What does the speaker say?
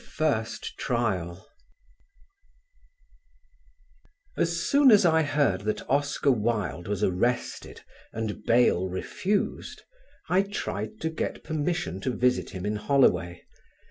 CHAPTER XV As soon as I heard that Oscar Wilde was arrested and bail refused, I tried to get permission to visit him in Holloway.